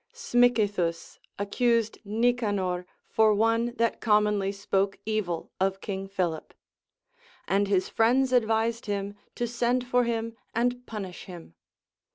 Smicythus accused Nicanor for one that commonly spoke evil of King Philip ; and his friends advised him to send for him and punish him.